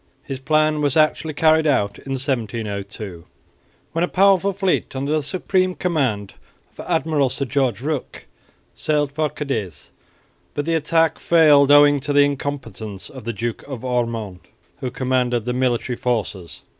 His plan was actually carried out in 1702, when a powerful fleet under the supreme command of Admiral Sir George Rooke sailed for Cadiz; but the attack failed owing to the incompetence of the Duke of Ormonde, who commanded the military forces.